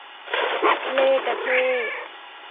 เล่ห์กระเท่ห์